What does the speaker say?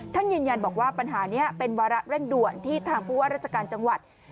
ท่านยืนยันบอกว่าปัญหานี้เป็นวาระเร่งด่วนที่ทางผู้ว่าราชการจังหวัด